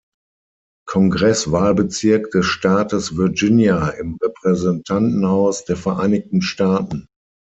Kongresswahlbezirk des Staates Virginia im Repräsentantenhaus der Vereinigten Staaten.